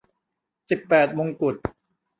สิบแปดมงกุฎ